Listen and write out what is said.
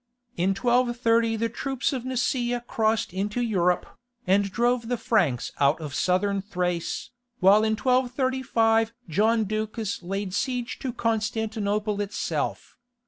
In 1230 the troops of Nicaea crossed into Europe, and drove the Franks out of Southern Thrace, while in 1235 John Ducas laid siege to Constantinople itself.